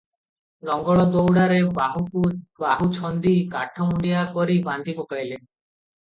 ଲଙ୍ଗଳ ଦଉଡ଼ାରେ ବାହୁକୁ ବାହୁ ଛନ୍ଦି କାଠମୁଠିଆ କରି ବାନ୍ଧି ପକାଇଲେ ।